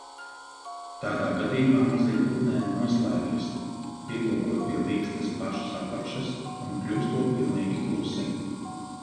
Tādā gadījumā mazie putnēni noslēpjas, pieplokot pie ligzdas pašas apakšas un kļūstot pilnīgi klusi.